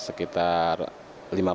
ya sekitar lima persenan lah